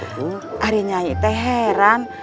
hari nyai teh heran